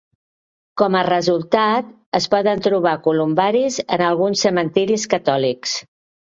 Com a resultat, es poden trobar columbaris en alguns cementiris catòlics.